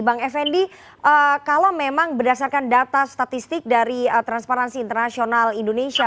bang effendi kalau memang berdasarkan data statistik dari transparansi internasional indonesia